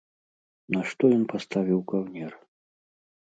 Нашто ён паставіў каўнер?